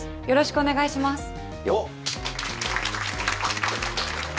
よろしくお願いします。